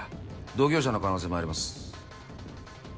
同業者の可能性もあります。